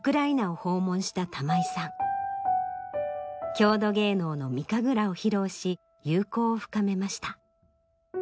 郷土芸能の御神楽を披露し友好を深めました。